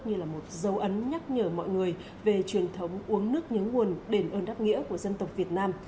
như là một dấu ấn nhắc nhở mọi người về truyền thống uống nước nhớ nguồn đền ơn đáp nghĩa của dân tộc việt nam